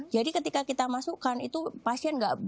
jadi ketika kita masukkan itu pasien nggak